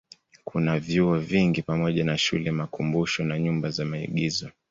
Kuna vyuo vingi pamoja na shule, makumbusho na nyumba za maigizo.